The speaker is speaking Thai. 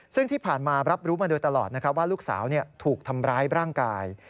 ซึ่งที่ผ่านมารับรู้มาโดยตลอดนะครับว่าลูกสาวถูกทำร้ายร่างกาย